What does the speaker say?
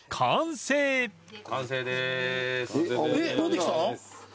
えっもうできた？